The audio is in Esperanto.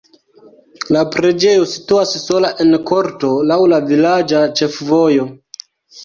La preĝejo situas sola en korto laŭ la vilaĝa ĉefvojo.